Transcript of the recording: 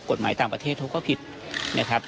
กฎหมายต่างประเทศเขาก็ผิดนะครับ